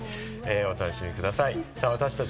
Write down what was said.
お楽しみください。